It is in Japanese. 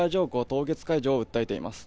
凍結解除を訴えています。